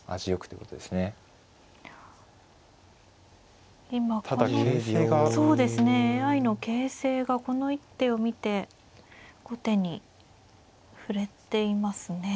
そうですねＡＩの形勢がこの一手を見て後手に振れていますね。